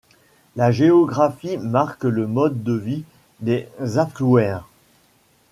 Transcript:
La géographie marque le mode de vie des Aflouéens.